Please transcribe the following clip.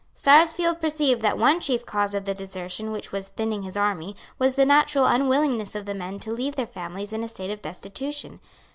Sarsfield perceived that one chief cause of the desertion which was thinning his army was the natural unwillingness of the men to leave their families in a state of destitution.